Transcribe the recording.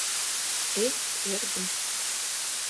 — Эх, эргым!..